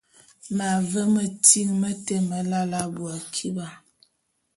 M’ave metyiñ mete melae abui akiba.